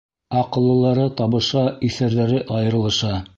Аҡыллылары табыша, иҫәрҙәре айырылыша...